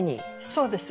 そうです。